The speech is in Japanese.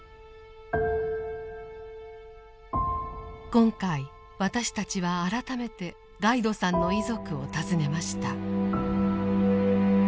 今回私たちは改めてガイドさんの遺族を訪ねました。